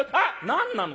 「何なの？